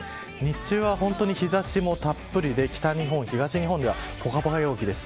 日中は日差しもたっぷりで北日本、東日本ではぽかぽか陽気です。